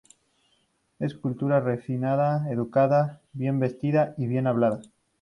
Es culta, refinada, educada, bien vestida y bien hablada.